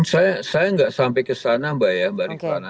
saya saya gak sampai kesana mbak ya mbak ritwana